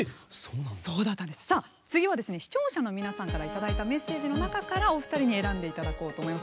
次は、視聴者の皆さんからいただいたメッセージの中からお二人に選んでいただこうと思います。